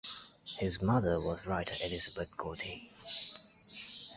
His mother was writer Elizabeth Goudie.